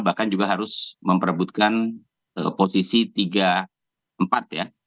bahkan juga harus memperebutkan posisi tiga empat ya